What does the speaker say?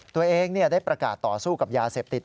ตัวเองได้ประกาศต่อสู้กับยาเสพติด